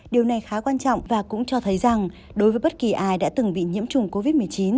điều này khá quan trọng và cũng cho thấy rằng đối với bất kỳ ai đã từng bị nhiễm trùng covid một mươi chín